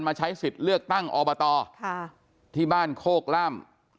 ใช้สิทธิ์เลือกตั้งอบตที่บ้านโคกล่าม